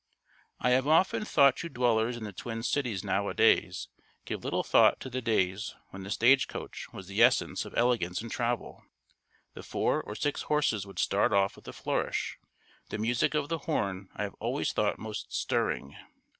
I have often thought you dwellers in the Twin Cities nowadays give little thought to the days when the stage coach was the essence of elegance in travel. The four or six horses would start off with a flourish. The music of the horn I have always thought most stirring.